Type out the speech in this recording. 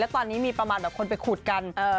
ตอนนี้มีประมาณแบบคนไปขุดกัน